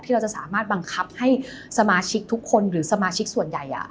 เราจะสามารถบังคับให้สมาชิกทุกคนหรือสมาชิกส่วนใหญ่